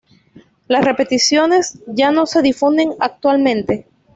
Las repeticiones ya no se difunden actualmente.